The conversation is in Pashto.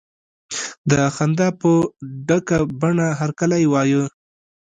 د خندا په ډکه بڼه هرکلی وایه.